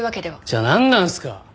じゃあなんなんですか！？